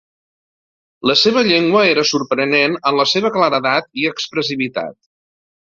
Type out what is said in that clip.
La seva llengua era sorprenent en la seva claredat i expressivitat.